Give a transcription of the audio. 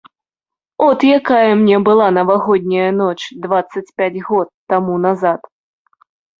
От якая мне была навагодняя ноч дваццаць пяць год таму назад.